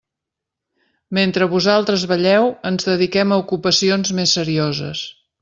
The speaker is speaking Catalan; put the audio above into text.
Mentre vosaltres balleu ens dediquem a ocupacions més serioses.